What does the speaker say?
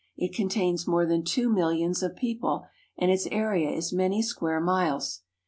It contains more than two millions of people, and its area is many square miles.